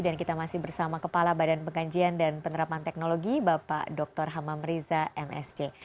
dan kita masih bersama kepala badan pegajian dan tenerapan teknologi bapak dr hamam riza msc